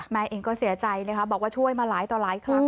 เองก็เสียใจนะคะบอกว่าช่วยมาหลายต่อหลายครั้ง